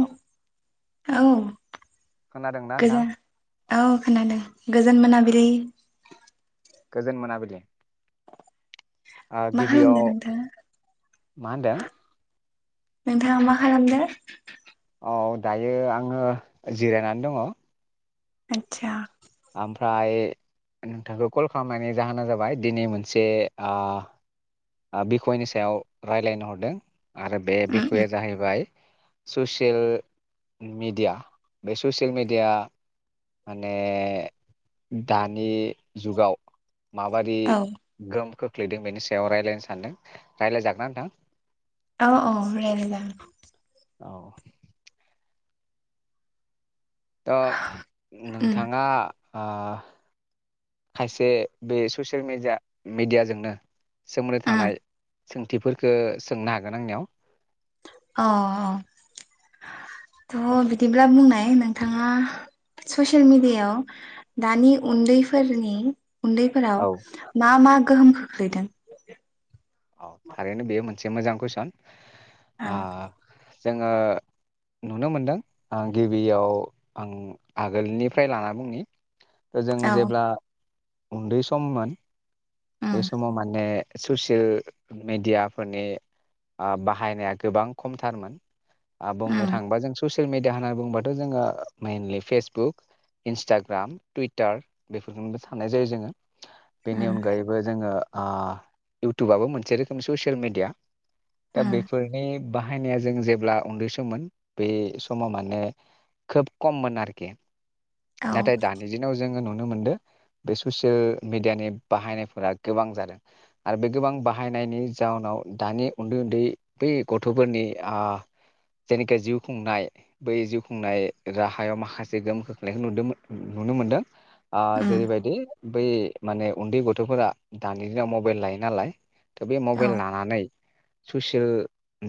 औ। औ। खोनादोंना नोंथां गोजा औ खोनादों। गोजोन मोनाबिलि। गोजोन मोनाबिलि। ओ मा खालामदों गिबियाव नोंथाङा मा होनदों? नोंथाङा मा खालामदो? औ दायो आङो जिरायनानै दङ। आतसा। ओमफ्राय नोंथांखौ कल खालामनायनि जाहोना जाबाय दिनै मोनसे ओ ओ बिखयनि सायाव रायलायनो हरदों। आरो बे उम बिखयआ उम जाहैबाय ससियेल मिडिया बे ससियेल मिडिया माने दानि जुगाव माबायदि औ गोहोमखो खोख्लैदों बेनि सायाव रायज्लायनो सानदों रायज्लायजागोन नोंथां? अ अ रायलायजागोन। औ। थ' उम नोंथाङा ओ खायसे बे ससियेलडिया मेडियाजोंनो सोमोन्दो उम थानाय सोंथिफोरखौ सोंनो हागोन आंनियाव। औ औ थ बिदिब्ला बुंनाय नोंथाङा ससियेल मिडियाायाव दानि उन्दैफोरनि उन्दैफोराव औ मा मा गोहोम खोख्लैदों औ थारैनो बे मोन मोनसे मोजां कुइसन। ओ। जोङो नुनो मोनदों आ गिबियाव आं आगोलनिफ्राय ला बुंनि जोङो औ जेब्ला उन्दै सममोन बे उम समाव माने ससियेल मेडियाफोरनि ओ बाहायनाया गोबां खमथारमोन। बुंनो उम थाङोबा जों ससे ससियेल मिडिया होनना बुंङोबाथ' जोङो मेइेनलि फेसबुक इन्सटाग्राम टुइटार बेफोरखौनोबो साननाय जायो जोङो। बिनि उम अनगायै ओ आ इउटुबाबबो मोनसे रोखोमनि ससियेल मिेडिया दा उम बेफोरनि बाह बाहायनाया जों जेब्ला उन्दै सममोन बे समा माने खोब खममोन आरोखि औ नाथाय दानि दिनाव जोङो नु नुनो मोनदो बे मियानि बाहायना फोर गोबां जादों आरो बे गोबां बाहायनायनि जाउनाव दानि उन्दै उन्दै बै गथ'फोरनि जेनिखि जिउ खुंनाय बै जिउ खुंनाय राहायाव माखासे गोहोम खोख्लैनायखौ नुदो नुनो मोनदों आ उम जेरैबायदि बै माने उन्दै गथ'फोरा दानि दिनाव मबाइल लायो नालाय दा बे औ मबाइल लानानै ससियेल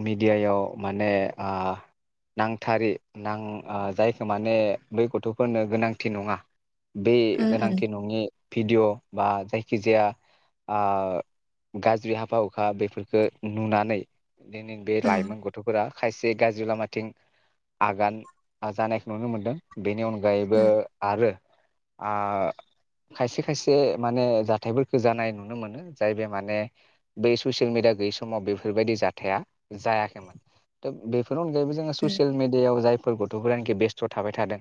मेडियायाव माने आ नांथारै नां जायखौ माने बै गथ'फोरनो गोनांथि नङा बे उम उम गोनांथि नङि भिडिय बा जायखिजाया ओ गाज्रि हाबा हुखा बेफोरखो नुनानै देनोंदे उम लाइमोन गथ'फोरा खायसे गाज्रि लामाथिं आगान आ जानायखौ नुनो मोनदों बेनि अनगायै गायैबो उम आरो आ खायसे खायसे माने जाथायफोर जानाय नुनो मोनो जाय बे माने बै ससियेल मिडिया गैयै समाव बेफोरबायदि जाथाया जायाखैमोन दा बेफोर फोरनि अनगायै जोङो उम ससियेल मिडियायाव जाय गथ'फोरानोखि बेस्थ' थाबाय थादों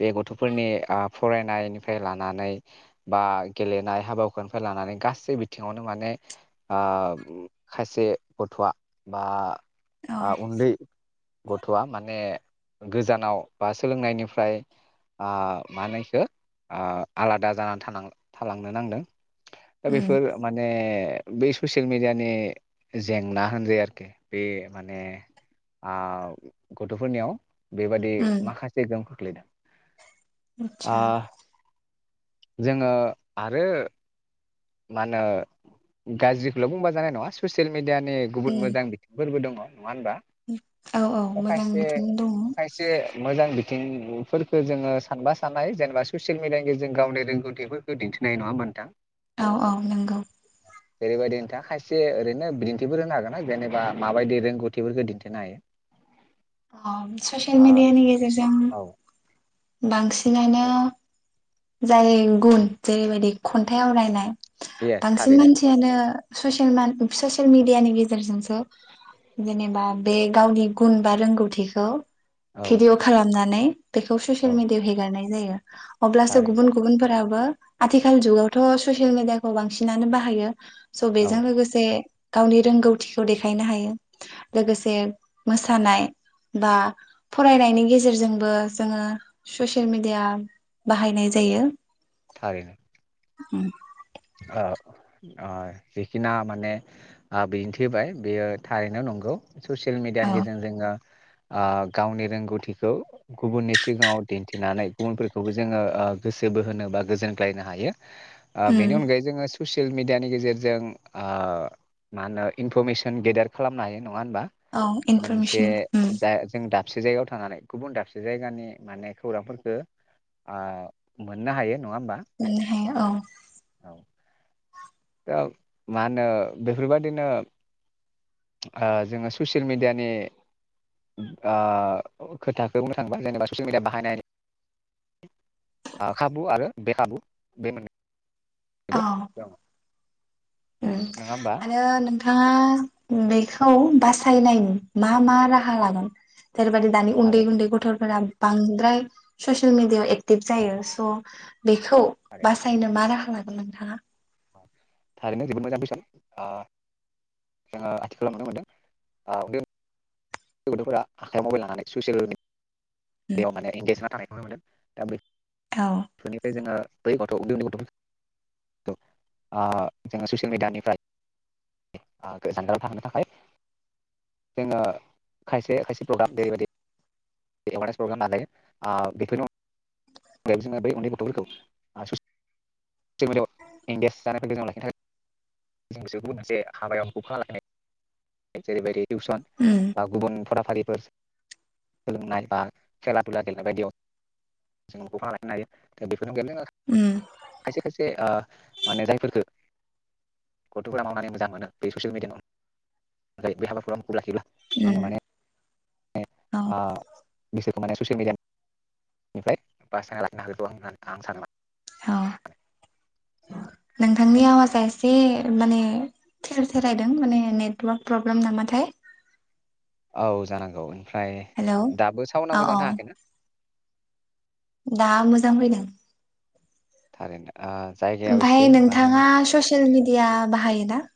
बे गथ'फोरनि आ फरायनायनिफ्राय लानानै बा गेलेनाय हाबा हु खानिफ्राय लानानै गासै बिथिङावनो माने ओ खायसे गथ'आ बा औ ओ उन्दै गथ'वा माने गोजानाव बा सोलोंनायनिफ्राय ओ माहोनो एखौ आलादा जानानै थां थालांनो नांदों दा उम बेफोर माने बे ससियेल मेडियानि जेंना होनजायो आरोखि बे माने आ गथ'फोरनियाव बेबादि उम माखासे गो गोग्लैदों आतसा जोङो आरो मा होनो गाज्रिखौल' बुंबा जानाय नङा ससियेल मिड दियानि गुबुन मोजां बिथिंफोरबो दङ नङा होमबा औ औ मोजां खायसे बिथिं दङ खायसे मोजां बि बिथिंफोरफोरखो जोङो सानबा साननो हायो जेनेबा ससियेल मिडियानि गेजेरजों गावनि रोंगौथिफोरखौ दिन्थिनो हायो नङा नोंथां औ औ नंगौ जेरैबायदि नोंथाङा खायसे ओरैनो बिदिन्थिफोर होनो हागोन ना जेनेबा माबायदि रोंगौथिफोरखौ दिन्थिनो हायो। अ ससियेल आ मिडियानि गेजेरजों औ बांसिनानो जाय गुन जेरैबायदि खन्थाइ आवरायनाय येस बांसिन थारैनो मानसियानो ससियेल मान ससियेल मिडियानि गेजेरजोंसो जेनेबा बे गावनि गुन बा रोंगौथिखौ औ भेदिअ खालामना नै ससेल औ मिडियाआव हेगारनाय जायो अब्लासो थारैनो गुबुन गुबुनफोरा बो आथिखाल जुगावथ' ससियेल मिदियाखौ बांसिनानो बाहायो स' बेजों औ लोगोसे गावनि रोंगौथिखौ देखायनो हायो लोगोसे मोसानाय बा फरायनायनि गेजेरजोंबो जोङो ससियेल मिडिया बाहायनाय जायो । थारैनो उम ओ ओ जिखिना माने ओ बिदिन्थि होबाय बेयो थारैनो नंगौ । ससियेल औ मिडियानि गेजेरजों जोङो । ओ गावनि रोंगौथिखौ गुबुननि सिगाङाव दिन्थिनानै गुबुनफोरखौबो जोङो ओ गोसो बोहोनो बा गोजोनग्लायनो हायो । बेनि उम अनगायै जोङो ससियेल मिडियानि गेजेरजों ओ मा होनो इनफरमेसन गेदार खालामनो हायो । नङा होनबा औ मोनसे इनफरमेसन उम जा जों दा दाबसे जायगायाव थानानै गुबुन दाबसे जायगानि माने खौरांफोरखो ओ मोननो हायो । नङा ओमबा मोननो हायो औ दा मा होनो बेफोरबायादिनो ओ जोङो ससियेल मिडियानि ओ खोथाखौ बुंनो थाङोबा जेनेबा ससियेल मिडिया बाहायनाय खाबु आरो बे खाबु बे मोन बो औ दं उम नङा होमबा आरो नोंथाङा बेखौ बासायनायनि मा मा राहा लागोन [unintelligible] दानि उन्दै थारैनो उन्दै गथ'फोरा बांद्राय ससियेल मिडियायाव एक्टिभ जायो स' बेखौ थारैनो बासायनो मा राहा ला गोन नोंथांआ थारैनो जोबोद मोजां कुयसन ओ जोङो आथिखालाव नुनो मोनदों [unintelligible] गथ'फोरा आखायाव मबाइल लानानै सुसियेल बेयाव माने इंगेज जाना थानायखौ नुनो मोनदों । दा बेख औ फोरनिफ्राय जोङो बै गथ' उन्दै उन्दै गथ' [unintelligible] ओ जोङो ससियेल मिडियानिफ्राय ओ गोजानदाव थानो थाखाय जोङो खायसे खायसे प्रग्राम जेरैबायदि एवारनेस प्रग्राम लानाय ओ बेफोरनि अनगायैबो जोङो बै उन्दै गथ'फोरखौ ओ ससियेल मिडियाव एंगेज जानायफोरखौ जों लाखिनो थाखाय जों बिसोरखौबो मोनसे हाबायाव फौ खा लाखिनाय जेरैबायदि टिउसन उम बा गुबुन फरा फारिफोर सोलोंनाय बा खेला दुला गेलेनाय बायदियाव जों [unintelligible] लाखिनो हायो बेफ गोहोम गेब जोङो उम खायसे खायसे ओ माने जायफोरफोरखो गथ'फोरा मावनानै मोजां मोनो बे ससियेल मिडियामाव [unintelligible] बे हाबाफोराव आंखौ लाखिब्ला उम औ ओ बिसोर माने ससियेल मिडियानिफ्राय बासायना लाखिनो हागोन खौ आं सानो माने औ नोंथांनि आवाजआ एसे माने थेर थेरायदों माने नेटवार्क प्रब्लेम नामाथाय औ जानांगौ न फ्राय हेलौ दाबो सावना औ मोजां औ थाङाखैना? दा मोजां फैदों। थारैनो। जायगायाव एसे ओमफाय मा होनो नोंथाङा ससियेल मिडि इया बाहायोना?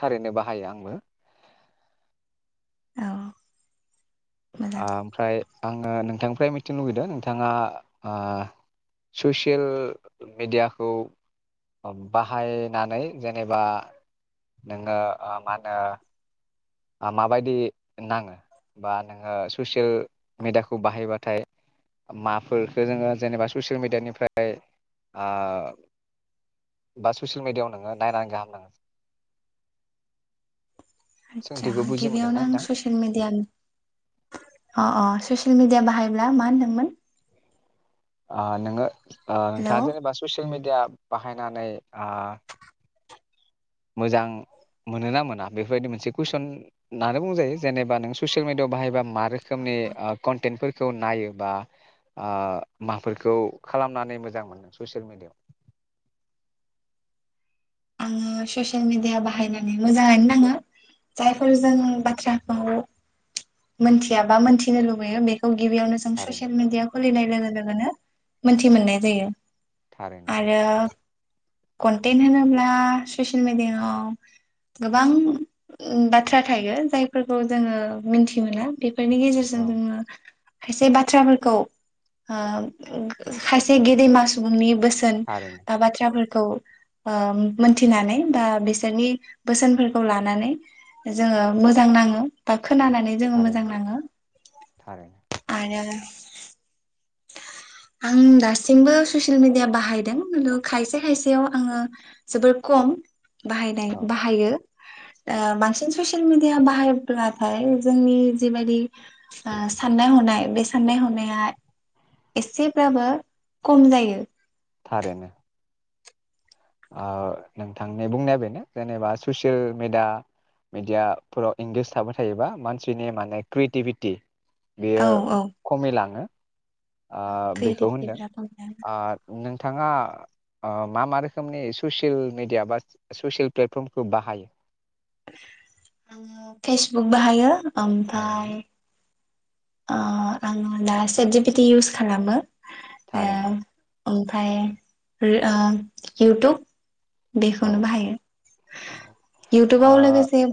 थारैनो बाहायो आंबो। औ ओ मोजां ओमफ्राय आङो नोंथांनिफ्राय मिथिनो लुुबैदों नोंथाङा ओ सुसेल मेडियाखौ बाहायनानै जेनेबा नोङो ओ मा होनो ओ माबायदि नाङो बा नोङो सुसेल मिडाखौ बाहायबाथाय माफोरखो जोङो जेनेबा ससियेल मिडियानिफ्राय आब बा ससियेल मिडाव नोङो नायनानै गाहाम नाङो? आतसा सोंथिखौ बुजि गिबियावनो मोनदोंना आं नोंथां ससियेल मिडियानि अ अ ससियेल मिडिया बाहायब्ला मा होनदोंमोन? अ नोङो ओ हेलौ नोंथाङा जेनेबा ससियेल मेड या बाहायनानै आ मोजां मोनो ना मोना बेफोरबायदि मोनसे कुइसन होननानै बुंजायो जेनेबा नों ससियेल मिडियाव बाहायबा मा रोखोमनि ओ कन्टेन्टफोरखौ नायो बा ओ माफोरखौ खालामनानै मोजां मोनदों ससियेल मिडियाव? आङो ससियेल मिडिया बाहायनानै मोजाङानो नाङो जायफोर जों बाथ्राखौ मोनथिया बा मोनथिनो लुबैयो बेखौ गिबियावनो जों थारैनो ससियेल मिडिया खुलिनाय लोगो लोगोनो मोनथि मोननाय जायो। थारैनो आरो कनटेन्ट होनोब्ला ससियेल मिडियाव गोबां ओ बाथ्रा थायो जायफोरखौ जोङो मिनथि मोना बे फोरनि गेेजेरजों औ जोङो खायसे बाथ्राफोरखौ खायसे गेदेमा सुबुंनि बोसो थारैनो [inaudible] बाथ्राफोर खौ मोनथिनानै बा बिसोरनि बोसोनफोरखौ लानानै जोङो मोजां नाङो बा खोनानानै जोङो मोजां थारैनो नाङो थारैनो आरो आं दासिमबो ससियेल मिडिया बाहायदों खिन्थु खायसे खायसेयाव आङो जोबोर खम। बाहायनाय औ बाहायो। आ बांसिन ससिल मिडिया बाहायब्लाथाय जोंनि जिबायदि साननाय हनाय बे साननाय हनाया एसेब्लााबो खम जायो। थारैनो। नोंथांनि बुंनाया बेनो जेनेबा ससियेल मेडिया मिडियाफोराव इंगेज थाबाय थायोबा मानसिनि माने क्रियेटिभिटि। औ बेयो औ खमि लाङो बेखौ होनदों क्रियेटिभिटिफोरा खम जायो नोंथाङा मा मा रोखोमनि ससियेल मिडिया बा ससियेल प्लेटफर्मखौ बाहायो। आङो फेसबुक बाहायो थारैनो ओमफ्राय ओ आङो दा सेटि बिदि इउस खालामो। थारैनो ओ। ओमफ्राय ओ इउटुब। बेखौनो औ बाहायो औ इउटुबाव ओ लोगोसे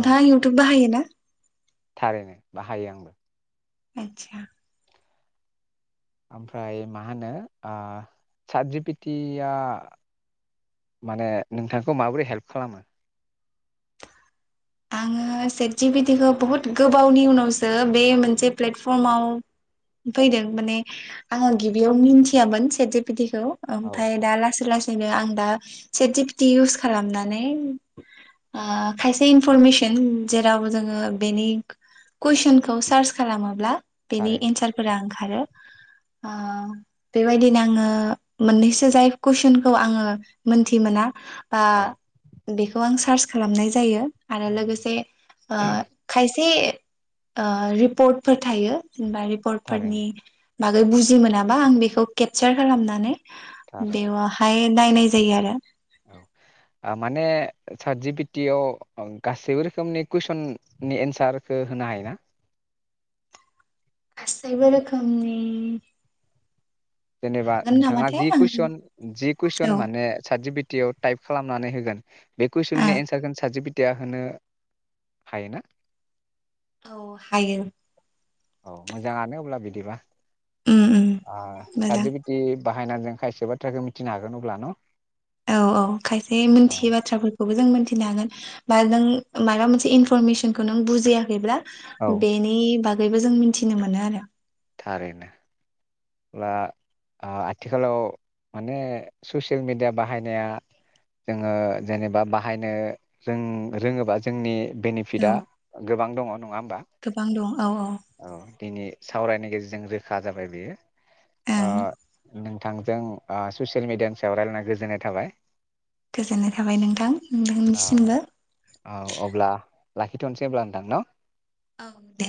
औ इउटुब बाहायो ना। थारैनो बाहायो आंबो। आतसा। ओमफ्राय मा होनो ओ सादजि पेथिया माने नोंथांखौ माबोरै हेल्प खालामो। आङो सेटजि पिटिखौ बुहुत गोबावनि उनावसो बे मोनसे प्लेटफर्माव फैदों माने आङो गिबियाव मिथियामोन सेज पिटिखौ खौ औ ओमफ्राय दा लासै ला आं दा सेटि पिदि इवुस खालामनानै ओ खायसे इ इनफरमेसन जेराव जोङो बेनि कुइसनखौ सार्च खालामोब्ला। बिदि थारैनो एनसारफोरा ओं। आरो ओ बेबायदिनो आङो मोननैसो जाय कुइसनखौ आङो मोनथि मोना। बा औ बेखौ आं। सार्च खालामनाय जायो। आरो थारैनो लोगोसे ओ खायसे। ओ रिपर्टफोर थायो। जेनेबा थारैनो रिपर्टफोरनि। बागै बुजि मोनाबा आं बेखौ केपचार खालामनानै थारैनो बेवाहाय दायनाय जायो आरो औ आ माने सारज बिटियाव गासैबो रोखोमनि कुइसननि एन्सारखौ होनो हायोना? गासैबो रोखोमनि जेनेबा हागोन नोंथाङा नामाथाय जि आं कुइसन जि कुइसन औ माने सार्टिजिपि ति आव टाइप खालामनानै होगोन बे आ कुइसननि एन्सारखौ सासे पिटिया होनो हायोना? औ हायो औ मोजाङानो अब्ला बिदिबा उम उम आ सारत मोजां जिबिटि बाहायना जों खायसे बाथ्राखौ मिथिनो हागोन अब्ला न'? औ औ खायसे औ मोनथियै बाथ्राफोरखौबो जों मोनथिनो हागोन बा जों माबा मोनसे इनफरमेसनखौ नों बुजियाखैब्ला औ बेनि बाग बेबो जों मिथिनो मोनो आरो थारैनो ब्ला आ आथिखालाव माने ससियेल मेडिया बाहायनाया जोङो जेनेबा बाहायनो रों रोङोबा जोंनि बेनिफिटआ औ गोबां दङ नङा गोबां दं औ औ सावरायनायनि गेजेरजों रोखा जाबाय बेयो ओ ओं नोंथांजों ओ ससियेल मिडियानि सायाव रायलायना गोजोननाय थाबाय। गोजोननाय थाबाय नोंथां औ नोंथांनिसिमबो औ अब्ला लाखिथ'नोसै हब्ला नोंथां न' औ दे